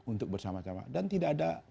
untuk bersama sama dan tidak ada